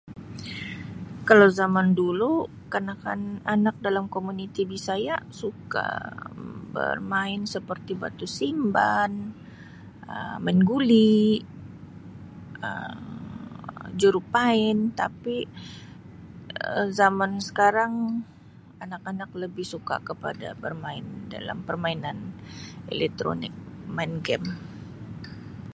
"Kalau zaman dulu kanak-kanak dalam komuniti Bisaya suka bermain seperti batu simban Um main guli Um jurupain tapi zaman Um sekarang anak-anak lebih suka kepada bermain dalam permainan elektronik main ""game""."